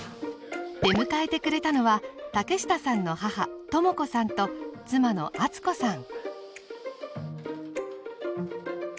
出迎えてくれたのは竹下さんの母始子さんと妻の敦子さん。